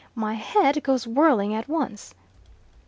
My head goes whirling at once."